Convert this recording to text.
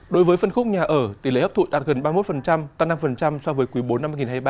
đối với phân khúc nhà ở tỷ lệ hấp thụ đạt gần ba mươi một tăng năm so với quý bốn năm hai nghìn hai mươi ba